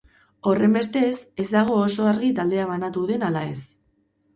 Horrenbestez, ez dago oso argi taldea banatu den ala ez.